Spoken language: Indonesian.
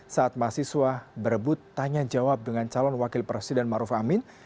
saat mahasiswa berebut tanya jawab dengan calon wakil presiden maruf amin